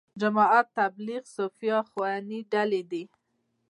جماعت تبلیغ، صوفیه، اخواني ډلې دي.